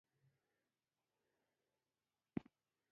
موږ په پورته ځانګړنو کې خپله روښانفکري وینو.